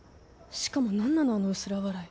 しかもなんなのあの薄ら笑い。